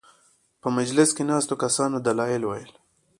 په مجلس کې ناستو کسانو دلایل وویل.